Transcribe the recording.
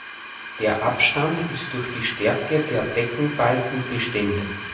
Der Abstand ist durch die Stärke der Deckenbalken bestimmt.